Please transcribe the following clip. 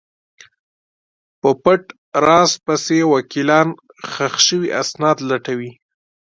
په پټ راز پسې وکیلان ښخ شوي اسناد لټوي.